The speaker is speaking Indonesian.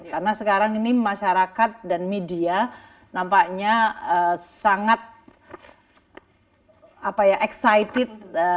karena sekarang ini masyarakat dan media nampaknya sangat excited